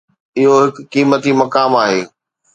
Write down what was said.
اهو هڪ قيمتي مقام آهي.